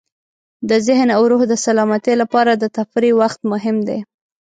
د ذهن او روح د سلامتۍ لپاره د تفریح وخت مهم دی.